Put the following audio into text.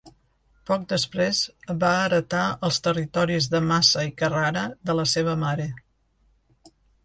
Poc després, va heretar els territoris de Massa i Carrara de la seva mare.